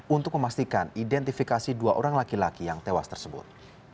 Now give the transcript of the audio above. untuk memastikan identifikasi dua orang laki laki yang tewas tersebut